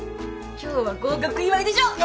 今日は合格祝いでしょ？